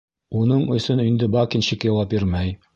Уның өсөн инде бакенщик яуап бирмәй.